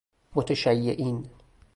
متشیعین